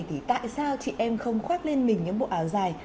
tại sao chị em không khoát lên mình những bộ áo dài